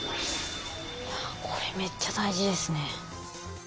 いやこれめっちゃ大事ですね。